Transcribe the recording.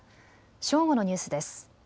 正午のニュースです。